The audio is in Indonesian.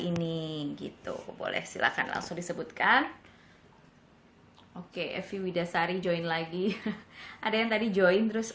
ini gitu boleh silakan langsung disebutkan oke evi widasari join lagi ada yang tadi join terus